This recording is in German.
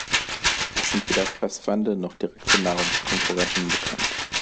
Es sind weder Fressfeinde noch direkte Nahrungskonkurrenten bekannt.